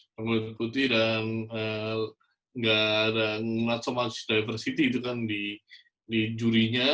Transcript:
orang kulit putih dan nggak ada nge not so much diversity itu kan di jurinya